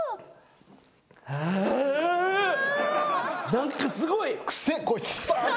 何かすごい。